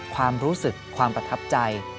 ความรู้สึกความประทับใจ